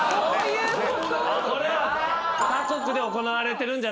これは他国で行われてるんじゃないかと。